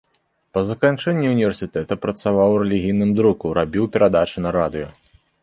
Па заканчэнні ўн-та працаваў у рэлігійным друку, рабіў перадачы на радыё.